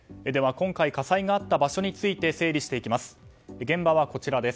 今回火災があった場所について整理していきます。